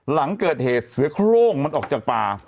หลังเกิดเหตุเสือโครงมันออกจากป่า